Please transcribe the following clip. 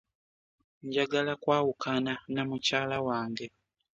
Njagala kwawukana na mukyala wange.